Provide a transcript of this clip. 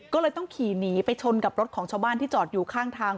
ก็เลยต้องขี่หนีไปชนกับรถของชาวบ้านที่จอดอยู่ข้างทาง